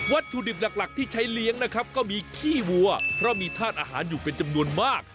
ถุดิบหลักที่ใช้เลี้ยงนะครับก็มีขี้วัวเพราะมีธาตุอาหารอยู่เป็นจำนวนมาก